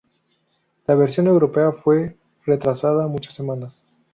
La versión europea fue retrasada muchas semanas.